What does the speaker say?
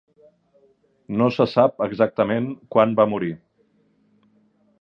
No se sap exactament quan va morir.